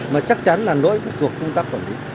mà chắc chắn là lỗi thuộc chúng ta còn đi